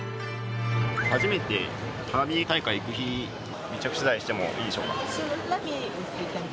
初めて花火大会行く日密着取材してもいいでしょうか？